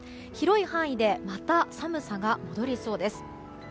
広い範囲でまた寒さが戻りそうです。